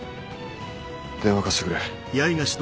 電話貸してくれ。